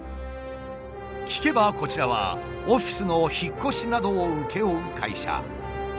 聞けばこちらはオフィスの引っ越しなどを請け負う会社。